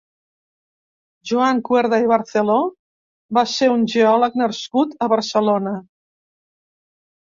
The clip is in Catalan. Joan Cuerda i Barceló va ser un geòleg nascut a Barcelona.